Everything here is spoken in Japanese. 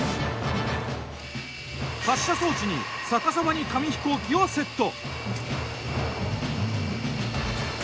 発射装置に逆さまに紙飛行機をセット。